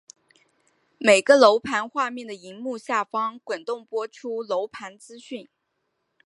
每个楼盘画面的萤幕下方滚动播出楼盘资讯。